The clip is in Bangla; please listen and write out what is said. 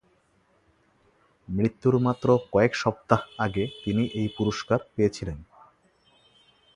মৃত্যুর মাত্র কয়েক সপ্তাহ আগে তিনি এই পুরস্কার পেয়েছিলেন।